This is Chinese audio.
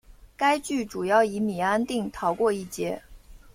该剧主要以米安定逃过一劫。